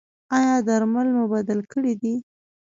ایا درمل مو بدل کړي دي؟